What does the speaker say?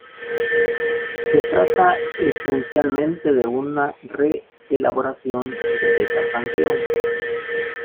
Se trata esencialmente de una re-elaboración de esa canción.